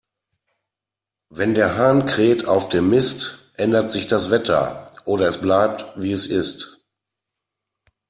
Wenn der Hahn kräht auf dem Mist, ändert sich das Wetter, oder es bleibt, wie es ist.